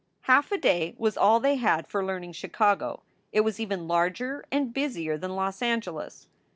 Half a day was all they had for learning Chicago. It was even larger and busier than Los Angeles!